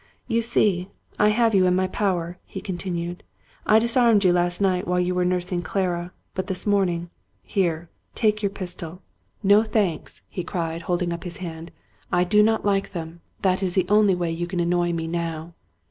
" You see, I have you in my power," he continued. " I disarmed you last night while you were nursing Clara ; but this morning — ^here — ^take your pistol. No thanks!" he 2IO Robert Louis Stevenson cried, holding up his hand. " I do not like them ; thait is the only way you can annoy me now."